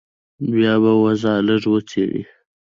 بيا به وضع لږه وڅېړې.